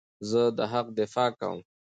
زه د حق دفاع کوم.